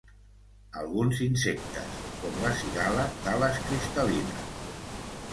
Alguns insectes, com la cigala d'ales cristal·lines.